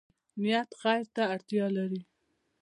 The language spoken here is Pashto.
نیت خیر ته اړتیا لري